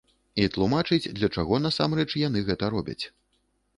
І тлумачыць, для чаго насамрэч яны гэта робяць.